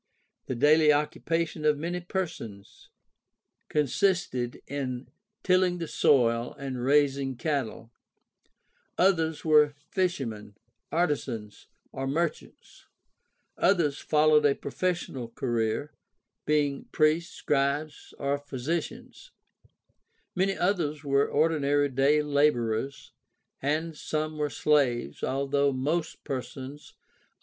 The daily occupation of many persons consisted in tilling the soil and raising cattle; others were fishermen, artisans, or merchants; others followed a professional career, being priests, scribes, or physicians; many others were ordinary day laborers and some were slaves, although most persons of.